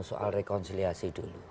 soal rekonsiliasi dulu